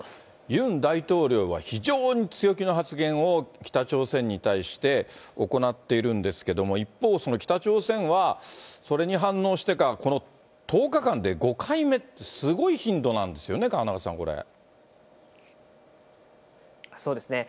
ユン大統領は非常に強気の発言を北朝鮮に対して行っているんですけれども、一方、その北朝鮮は、それに反応してか、この１０日間で５回目って、すごい頻度なんですよね、そうですね。